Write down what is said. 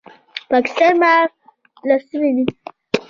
پاکستان د مار لستوڼی دی